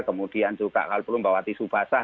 kemudian juga kalau perlu bawa tisu basah